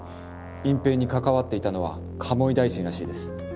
隠蔽に関わっていたのは鴨井大臣らしいです。